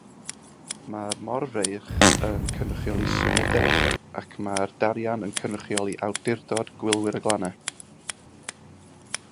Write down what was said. Mae'r morfeirch yn cynrychioli symudedd ac mae'r darian yn cynrychioli awdurdod Gwylwyr y Glannau.